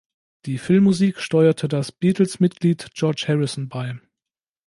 Die Filmmusik steuerte das Beatles-Mitglied George Harrison bei.